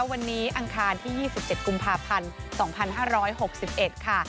วันนี้อังคารที่๒๗กุมภาพันธ์๒๕๖๑ค่ะ